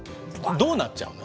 どうなっちゃうの？